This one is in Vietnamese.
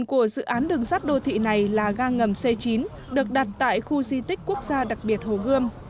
các đô thị này là ga ngầm c chín được đặt tại khu di tích quốc gia đặc biệt hồ gươm